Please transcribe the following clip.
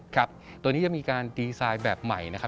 ครับตัวนี้จะมีการดีไซน์แบบใหม่นะครับ